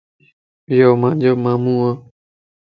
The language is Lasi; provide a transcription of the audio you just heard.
ايو مانجو مامون وَ